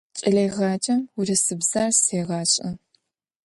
Кӏэлэегъаджэм урысыбзэр сегъашӏэ.